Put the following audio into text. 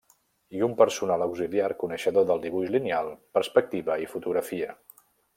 I un personal auxiliar coneixedor del dibuix lineal, perspectiva i fotografia.